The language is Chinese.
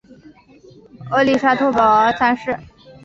曷利沙跋摩三世。